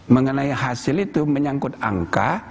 mengenai hasil itu menyangkut angka